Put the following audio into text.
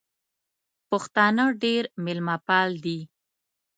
پښتانه ډېر مېلمه پال دي.